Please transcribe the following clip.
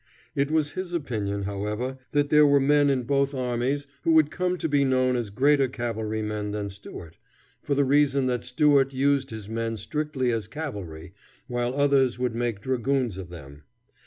It was his opinion, however, that there were men in both armies who would come to be known as greater cavalry men than Stuart, for the reason that Stuart used his men strictly as cavalry, while others would make dragoons of them.